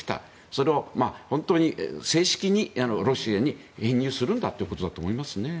それを本当に正式にロシアに編入するんだということだと思いますね。